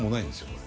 これ。